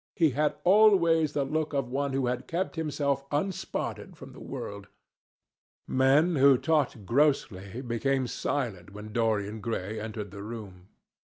He had always the look of one who had kept himself unspotted from the world. Men who talked grossly became silent when Dorian Gray entered the room.